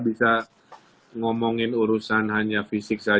jadi kita gak bisa ngomongin urusan hanya fisik saja